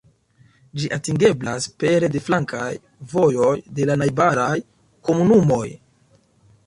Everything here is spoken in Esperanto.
Ĝi atingeblas pere de flankaj vojoj de la najbaraj komunumoj.